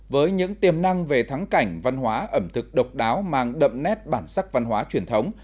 với những tiềm năng về thắng cảnh văn hóa ẩm thực độc đáo mang đậm nét bản sắc văn hóa truyền thống